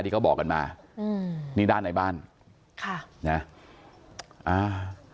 เขาบอกกันมาอืมนี่ด้านในบ้านค่ะนะอ่า